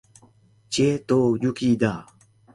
Chie to Yuuki da!